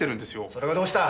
それがどうした？